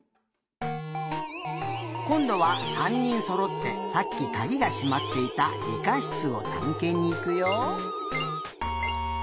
こんどは３にんそろってさっきかぎがしまっていたりかしつをたんけんにいくよ。